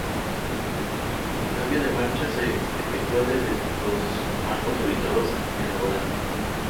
El cambio de marchas se efectúa desde dos mandos ubicados en el volante.